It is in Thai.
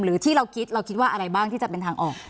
ที่เราคิดเราคิดว่าอะไรบ้างที่จะเป็นทางออก